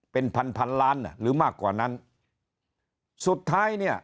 เป็นพันพันล้านอ่ะหรือมากกว่านั้นสุดท้ายเนี่ย